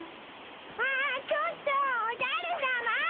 あっちょっとおじゃるさま！